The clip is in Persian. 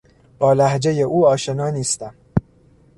با لهجهی او آشنا نیستم.